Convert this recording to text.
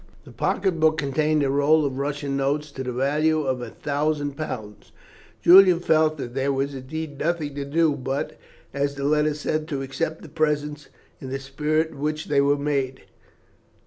The pocket book contained a roll of Russian notes to the value of a thousand pounds. Julian felt that there was indeed nothing to do but, as the letter said, to accept the presents in the spirit in which they were made.